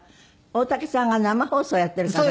大竹さんが生放送やってるから。